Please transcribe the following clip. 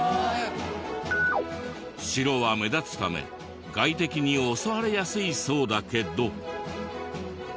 白は目立つため外敵に襲われやすいそうだけど。